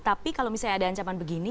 tapi kalau misalnya ada ancaman begini